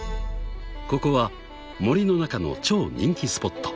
［ここは森の中の超人気スポット］